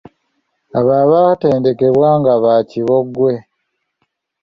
Abo abatendekeddwa nga baakibogwe.